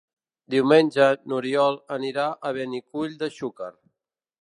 Diumenge n'Oriol anirà a Benicull de Xúquer.